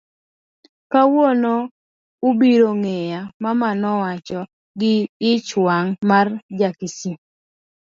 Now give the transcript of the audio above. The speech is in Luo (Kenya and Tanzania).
Kawuono ubiro ng'eya, Mama nowacho gi ich wang' mar Ja kisii.